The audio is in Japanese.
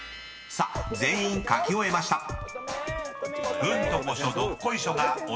［さあ全員書き終えました］